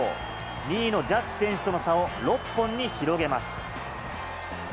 ２位のジャッジ選手との差を６本に広げます。